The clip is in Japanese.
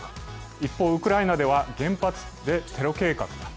一方、ウクライナでは原発でテロ計画か。